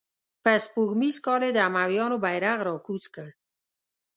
په سپوږمیز کال یې د امویانو بیرغ را کوز کړ.